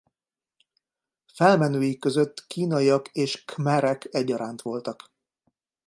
Felmenői között kínaiak és khmerek egyaránt voltak.